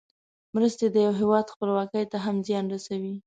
مرستې د یو هېواد خپلواکۍ ته هم زیان رسوي.